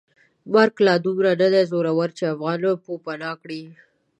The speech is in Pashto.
مرګ لا دومره ندی زورور چې افغان پوپناه کړي.